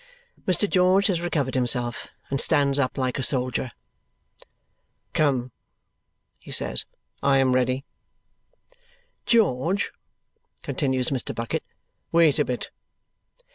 Mr. George has recovered himself and stands up like a soldier. "Come," he says; "I am ready." "George," continues Mr. Bucket, "wait a bit!"